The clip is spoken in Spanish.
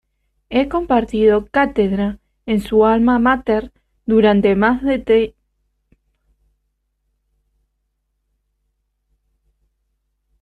Ha impartido cátedra en su alma máter durante más de veinte años.